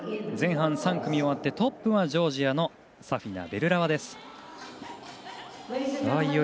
前半３組終わってトップはジョージアのサフィナ、ベルラワ。